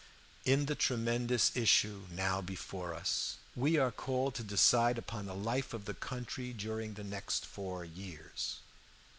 "In the tremendous issue now before us we are called to decide upon the life of the country during the next four years.